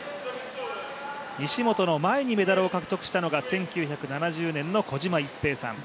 西本の前にメダルを獲得したのが１９７０年の小島一平さん。